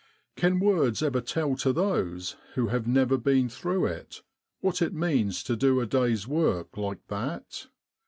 " Can words ever tell to those who have never been through it what it means to do a day's work like that?